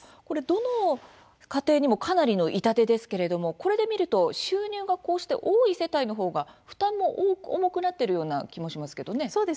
これはどの家庭にもかなりの痛手ですけれどもこれで見ると収入が多い世帯のほうが負担も重くなっているような気もしますけれどもね。